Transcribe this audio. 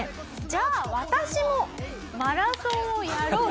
じゃあ私もマラソンをやろう！と。